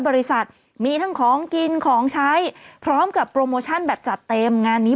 บริษัทมีทั้งของกินของใช้พร้อมกับโปรโมชั่นแบบจัดเต็มงานนี้